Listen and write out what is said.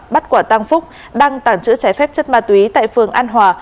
bắt quả tăng phúc đang tàng trữ trái phép chất ma túy tại phường an hòa